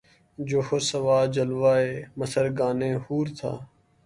جوہر سواد جلوۂ مژگان حور تھا